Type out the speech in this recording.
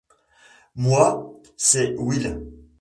Moi, c’est Will...